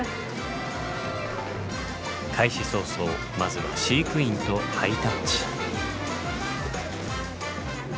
開始早々まずは飼育員とハイタッチ。